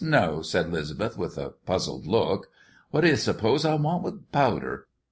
no," said 'Lisbeth, with a puzzled look. "What d' you s'pose I want with powder?